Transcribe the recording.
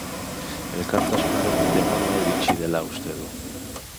Elkartasunaren tenorea iritxi dela uste du.